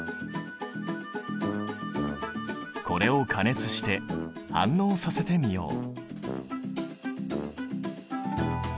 これを加熱して反応させてみよう。